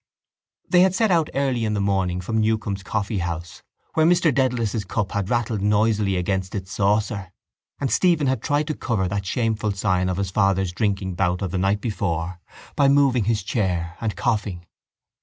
They had set out early in the morning from Newcombe's coffeehouse, where Mr Dedalus' cup had rattled noisily against its saucer, and Stephen had tried to cover that shameful sign of his father's drinking bout of the night before by moving his chair and coughing.